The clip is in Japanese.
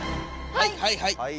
はいはいはい！